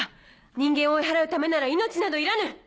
人間を追い払うためなら命などいらぬ！